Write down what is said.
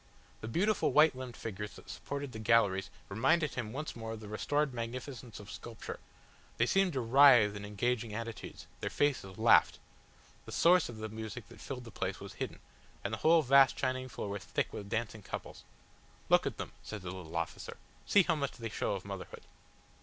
The beautiful white limbed figures that supported the galleries reminded him once more of the restored magnificence of sculpture; they seemed to writhe in engaging attitudes, their faces laughed. The source of the music that filled the place was hidden, and the whole vast shining floor was thick with dancing couples. "Look at them," said the little officer, "see how much they show of motherhood."